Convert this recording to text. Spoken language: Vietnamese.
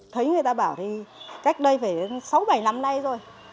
thấy người ta bảo thì cách đây phải sáu bảy năm nay rồi